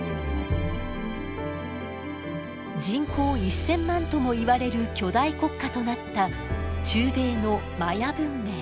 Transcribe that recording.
人口１，０００万ともいわれる巨大国家となった中米のマヤ文明。